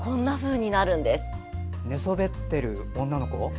寝そべっている女の子？